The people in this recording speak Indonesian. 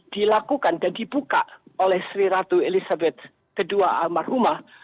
dilakukan dan dibuka oleh sri ratu elizabeth kedua amal huma